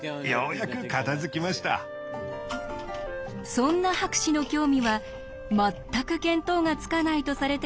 そんな博士の興味は全く見当がつかないとされてきた